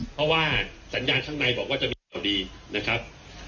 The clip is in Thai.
เพราะว่าสัญญาณข้างในบอกว่าจะมีพอดีนะครับ